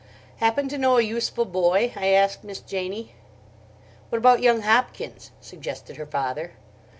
"Happen to know a useful boy?" I asked Miss Janie. "What about young Hopkins," suggested her father.